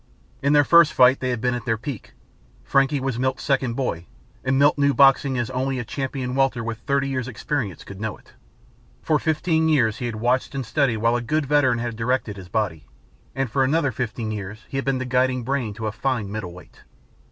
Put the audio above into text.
In their first fight they had been at their peak. Frankie was Milt's second boy and Milt knew boxing as only a Champion Welter with thirty years of experience could know it. For fifteen years he had watched and studied while a good veteran had directed his body. And for another fifteen years he had been the guiding brain to a fine Middleweight.